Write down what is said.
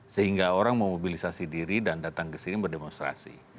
sehingga orang memobilisasi diri dan datang ke sini berdemonstrasi